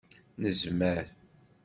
Nezmer!